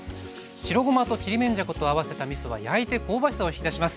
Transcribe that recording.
白ごまとちりめんじゃこと合わせたみそは焼いて香ばしさを引き出します。